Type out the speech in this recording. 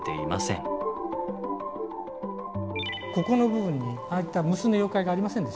ここの部分にああいった無数の妖怪がありませんでしょ。